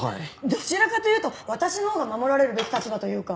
どちらかというと私のほうが守られるべき立場というか。